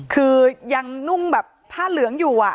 คือยังนุ่งแบบผ้าเหลืองอยู่